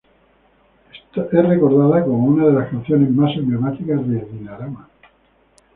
Es recordada como una de las canciones más emblemáticas de Dinarama.